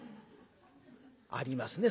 ありますね